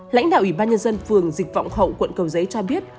lãnh đạo ủy ban nhân dân phường dịch vọng hậu quận cầu giấy cho biết